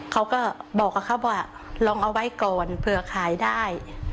เขาก็บอกกับเขาว่าลองเอาไว้ก่อนเผื่อขายได้